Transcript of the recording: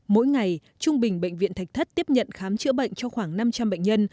mỗi ngày trung bình bệnh viện thạch thất tiếp nhận khám chữa bệnh cho khoảng năm trăm linh bệnh nhân